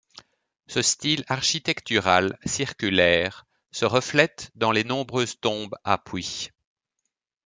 Ce style architectural circulaire se reflète dans les nombreuses tombes à puits.